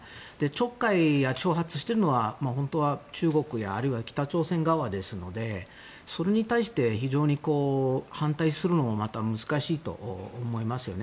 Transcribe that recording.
ちょっかいや挑発をしてるのは本当は中国やあるいは北朝鮮側ですのでそれに対して非常に反対するのもまた難しいと思いますよね。